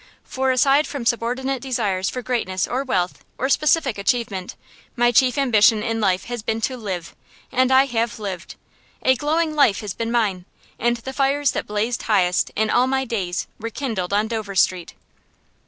For aside from subordinate desires for greatness or wealth or specific achievement, my chief ambition in life has been to live, and I have lived. A glowing life has been mine, and the fires that blazed highest in all my days were kindled on Dover Street.